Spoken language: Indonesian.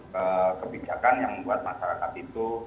kebijakan yang membuat masyarakat itu